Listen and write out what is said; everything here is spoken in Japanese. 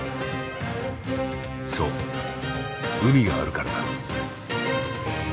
そう海があるからだ。